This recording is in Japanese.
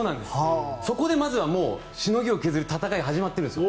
そこでしのぎを削る戦いが始まっているんです。